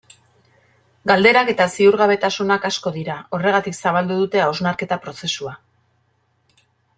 Galderak eta ziurgabetasunak asko dira, horregatik zabaldu dute hausnarketa prozesua.